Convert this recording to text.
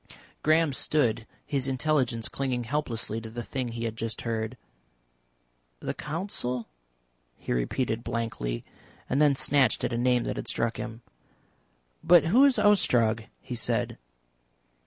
Graham stood, his intelligence clinging helplessly to the thing he had just heard. "The Council," he repeated blankly, and then snatched at a name that had struck him. "But who is Ostrog?" he said.